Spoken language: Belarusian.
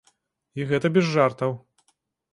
І гэта без жартаў.